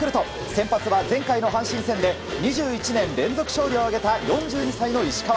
先発は前回の阪神戦で２１年連続勝利を挙げた４２歳の石川。